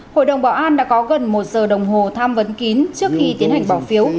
hội đồng bảo an đã có gần một giờ đồng hồ tham vấn kín trước khi tiến hành bỏ phiếu